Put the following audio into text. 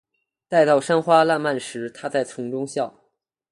待到山花烂漫时，她在丛中笑。